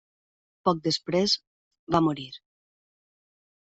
Poc després, va morir.